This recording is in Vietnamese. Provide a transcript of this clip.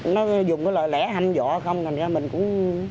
nó dùng cái lời lẽ ham dọa không thành ra mình cũng